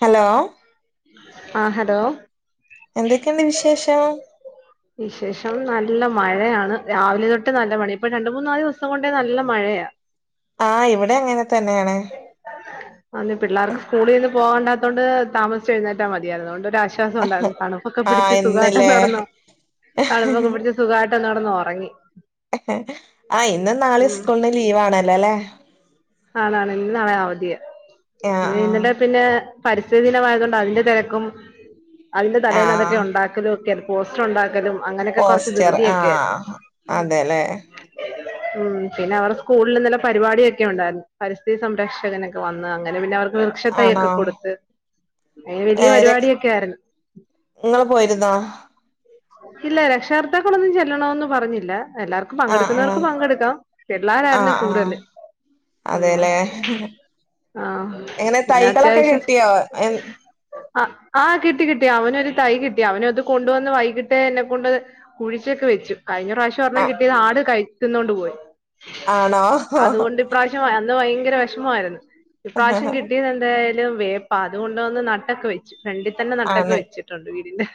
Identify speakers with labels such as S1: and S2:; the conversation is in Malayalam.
S1: ഹലോ
S2: ആഹ് ഹലോ
S1: എന്തെക്കെണ്ട് വിശേഷം
S2: വിശേഷം നല്ല മഴയാണ് രാവിലേതൊട്ട് നല്ല മഴെ ഇപ്പ രണ്ട് മൂന്നാല് ദിവസം കൊണ്ട് നല്ല മഴയാ
S1: ആഹ് ഇവടെ അങ്ങനെ തന്നെയാണ്.
S2: ആന്ന് പിള്ളാർക്ക് സ്കൂളിലൊന്നും പോകണ്ടാത്തോണ്ട് താമസിച്ച് എഴുന്നേറ്റാ മതി അതോണ്ട് ഒരാശ് ശ്വാസം ഒണ്ടായിരുന്നു തണുപ്പൊക്കെ
S1: ആഹ്
S2: പിടിച്ച് സുഖായ്ട്ട്
S1: ഇന്നല്ലേ
S2: ഒന്ന് കെടന്നൊ തണുപ്പൊക്കെ പിടിച്ച് സുഖായിട്ട് ഒന്ന് കെടന്ന് ഒറങ്ങി.
S1: ആഹ് ഇന്നും ന്നാളിം
S2: ഉം
S1: സ്കൂൾന് ലീവ് ആണല്ലോല്ലേ
S2: ആണാണ് ഇന്നും നാളേം അവധിയാ
S1: ആഹ്
S2: ന്ന് [unintelligible] ടെ
S1: ആഹ്
S2: പിന്നെ പരിസ്ഥിതി ദിനമായത്കൊണ്ട് അതിന്റെ തെരക്കും അതിന്റെ തലേന്ന് അതൊക്കെ
S1: ആഹ്
S2: യൊണ്ടാക്കലു ഒക്കെ പോസ്റ്റർ ഉണ്ടാക്കലും അങ്ങനെയൊക്കെ കൊറച്ച്
S1: പോസ്റ്റർ
S2: ധൃതിയൊക്കെ ആയിരുന്നു.
S1: ആഹ് അതെല്ലേ
S2: ഉം പിന്നെ അവറെ സ്കൂളില് ഇന്നലെ പരിപാടിയൊക്കെ ഉണ്ടാര്ന്നു പരിസ്ഥിതി സംരക്ഷകനൊക്കെ വന്ന് അങ്ങനെ പിന്നെ അവർ ക്ക്‌
S1: ആണോ
S2: വൃക്ഷതയ്യൊക്കെ കൊട്ത്ത് അങ്ങനെ വെല്ല്യെ പരിപാടിയൊക്കെ ആയിര്ന്ന്
S1: ഇങ്ങള് പോയിര്ന്നോ
S2: ഇല്ല രക്ഷാർത്താക്കളൊന്നും ചെല്ലണവെന്ന് പറഞ്ഞില്ല എല്ലാർ ക്കും
S1: ആഹ് ആഹ്
S2: പങ്കെട്ക്ക്ന്നവർക്ക് പങ്കെട്ക്കാം പിള്ളാരായിര്ന്ന് കൂട്തല്.
S1: അതെ അല്ലേ
S2: ആഹ്
S1: എങ്ങനെ
S2: പിന്നെ
S1: തൈകളൊക്കെ
S2: അത്യാവശ്യം
S1: കിട്ടിയോ എൻ
S2: ആഹ് ആഹ് കിട്ടി കിട്ടി അവനൊരു തൈ കിട്ടി അവനത് കൊണ്ടുവന്ന് വൈകിട്ട് എന്നെ കൊണ്ട് കുഴിച്ച് ഒക്കെ വെച്ചു. കഴിഞ്ഞ പ്രാവശ്യം
S1: ആ,
S2: ഒരെണ്ണം കിട്ടിയത് ആട് കഴിക്കുന്നോണ്ട് പോയി
S1: ആണോ
S2: അതുകൊണ്ട് ഇപ്രാവശ്യം അന്ന് ഭയങ്കര വെഷമായിരുന്നു ഇപ്രാവശ്യം കിട്ടിയത് എന്ത ലും വേപ്പ അതുകൊണ്ടുവന്ന് നട്ടൊക്കെ വെച്ചു ഫ്രണ്ടി തന്നെ നട്ടൊക്കെ
S1: ആണ്
S2: വെച്ചിട്ടുണ്ട് വീടിന്റെ